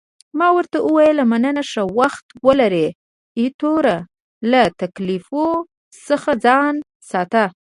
ما ورته وویل، مننه، ښه وخت ولرې، ایټوره، له تکالیفو څخه ځان ساته.